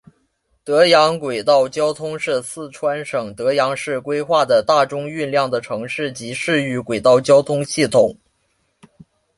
德阳轨道交通是四川省德阳市规划的大中运量的城市及市域轨道交通系统。